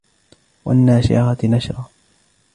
وَالنَّاشِرَاتِ نَشْرًا